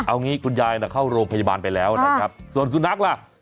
เอางี้คุณยายน่ะเข้าโรงพยาบาลไปแล้วนะครับส่วนสุนัขล่ะ